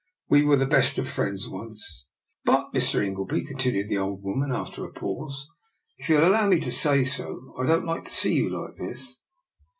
" We were the best of friends once." " But, Mr. Ingleby," continued the old woman after a pause, " if you'll allow me to say so, I don't like to see you like this.